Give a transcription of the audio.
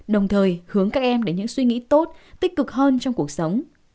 đồng thời hướng các em đến những suy nghĩ tốt tích cực hơn trong cuộc sống